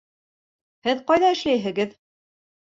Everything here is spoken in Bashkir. Һеҙ ҡайза эшләйһегеҙ?